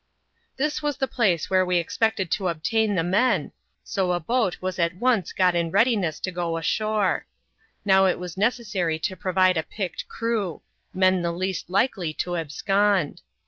This was the place where we expected to obtain the men ; so a boat was at once got in readiness to go ashore. Now it was necessary to provide a picked crew — men the least likely to abscond.